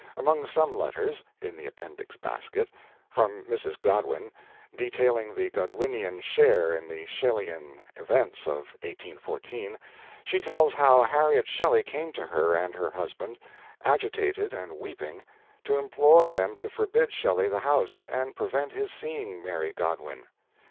Among some letters (in the appendix basket) from Mrs. Godwin, detailing the Godwinian share in the Shelleyan events of 1814, she tells how Harriet Shelley came to her and her husband, agitated and weeping, to implore them to forbid Shelley the house, and prevent his seeing Mary Godwin.